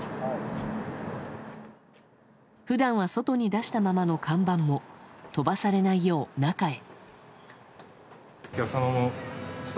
普段は外に出したままの看板も飛ばされないように中へ。